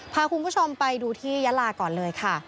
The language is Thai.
พาคุณผู้ชมไปดูที่ยาลาก่อนเลยค่ะ